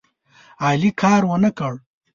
علي کار ونه کړ.